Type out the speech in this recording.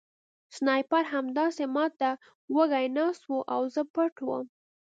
سنایپر همداسې ما ته وږی ناست و او زه پټ وم